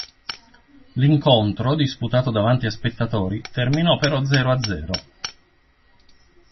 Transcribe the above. L'incontro, disputato davanti a spettatori, terminò però zero a zero.